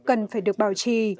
cần phải được bảo trì